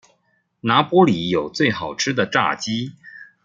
拿坡里有最好吃的炸雞